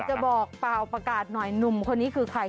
จะบอกเปล่าประกาศหน่อยหนุ่มคนนี้คือใคร